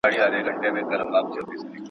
تاته به د خوبونو تعبير وښيې.